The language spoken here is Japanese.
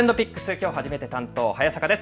きょう初めて担当、早坂です。